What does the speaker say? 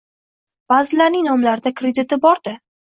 Ba’zilarning nomlarida krediti borda.